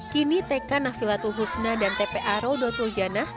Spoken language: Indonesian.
kini tk nafilatul husna dan tpa rodotul janah